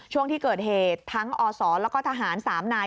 ช่วงที่เกิดเหตุทั้งอศแล้วก็ทหาร๓นาย